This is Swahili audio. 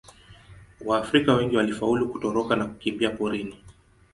Waafrika wengine walifaulu kutoroka na kukimbia porini.